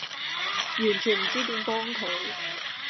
完全唔知點幫佢